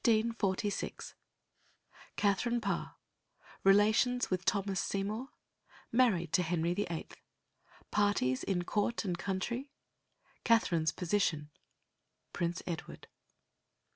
] CHAPTER II 1546 Katherine Parr Relations with Thomas Seymour Married to Henry VIII. Parties in court and country Katherine's position Prince Edward.